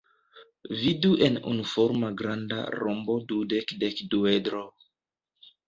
Vidu en unuforma granda rombo-dudek-dekduedro.